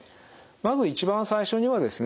まず一番最初にはですね